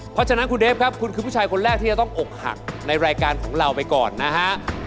เพราะฉะนั้นคุณเดฟครับคุณคือผู้ชายคนแรกที่จะต้องอกหักในรายการของเราไปก่อนนะฮะ